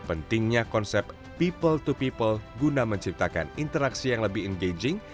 pentingnya konsep people to people guna menciptakan interaksi yang lebih engaging